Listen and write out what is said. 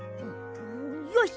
よし！